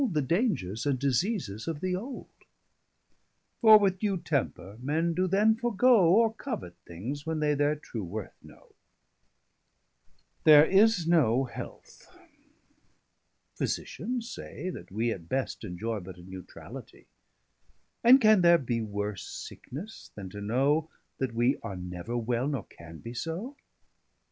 _] The dangers and diseases of the old: For with due temper men doe then forgoe, Or covet things, when they their true worth know. 90 [Sidenote: Impossibility of health.] There is no health; Physitians say that wee, At best, enjoy but a neutralitie. And can there bee worse sicknesse, then to know That we are never well, nor can be so?